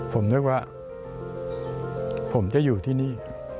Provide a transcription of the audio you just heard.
ผมนึกว่าผมจะอยู่ที่นี่